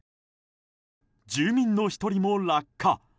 住民の１人も落下。